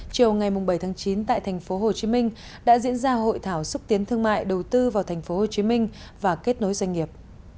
chiều ngày bảy chín tại tp hcm đã diễn ra hội thảo xúc tiến thương mại đầu tư vào tp hcm và kết nối doanh nghiệp